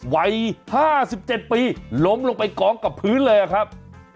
วัย๕๗ปีล้มลงไปกองกับพื้นเลยครับ